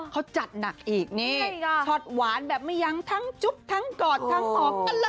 เขาจัดหนักอีกนี่ช็อตหวานแบบไม่ยั้งทั้งจุ๊บทั้งกอดทั้งหอมกันละ